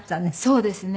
そうですか。